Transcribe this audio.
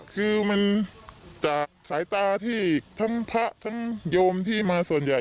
คือมันจากสายตาที่ทั้งพระทั้งโยมที่มาส่วนใหญ่